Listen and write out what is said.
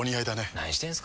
何してんすか。